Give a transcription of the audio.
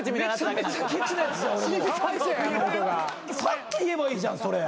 さっき言えばいいじゃんそれ。